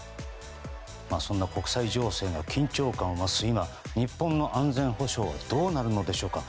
そんな国際情勢が緊張感を増す今日本の安全保障はどうなるのでしょうか。